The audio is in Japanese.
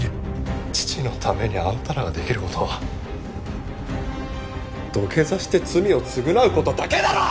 父のためにあんたらができる事は土下座して罪を償う事だけだろ！！